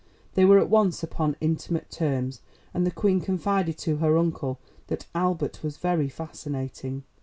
They were at once upon intimate terms, and the Queen confided to her uncle that "Albert was very fascinating."